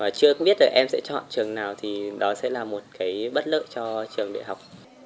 và chưa biết em sẽ chọn trường nào thì đó sẽ là một bất lợi cho trường đại học